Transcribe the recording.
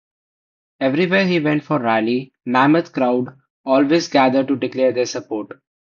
Everywhere he went for rally, mammoth crowd always gather to declare their support.